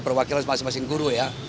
perwakilan masing masing guru ya